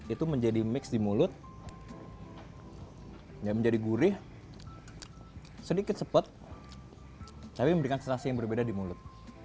itu menjadi mix di mulut menjadi gurih sedikit sepet tapi memberikan sensasi yang berbeda di mulut